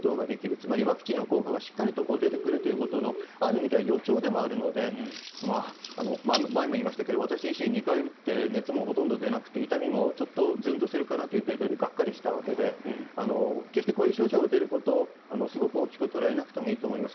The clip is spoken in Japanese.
つまりワクチンの効果がしっかり出てくるというある意味では予兆でもあるので前も言いましたが私自身、２回打って熱もほとんど出なくて痛みもちょっとズンとするかなぐらいでがっかりしたわけで決してこういう症状が出ることをすごく大きく捉えなくてもいいと思います。